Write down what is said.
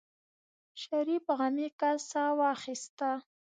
شريف عميقه سا واخيسته.